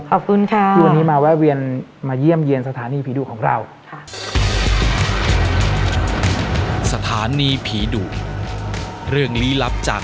ขอบคุณค่ะที่วันนี้มาแวะเวียนมาเยี่ยมเยี่ยมสถานีผีดุของเรา